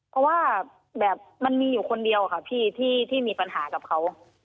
เพราะว่าแบบมันมีอยู่คนเดียวค่ะพี่ที่มีปัญหากับเขา